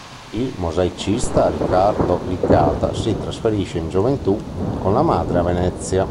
Il mosaicista Riccardo Licata si trasferisce in gioventù con la madre a Venezia.